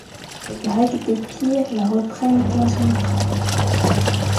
Les Grecs d'Épire la reprennent quinze ans après.